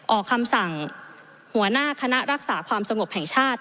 ออกคำสั่งหัวหน้าคณะรักษาความสงบแห่งชาติ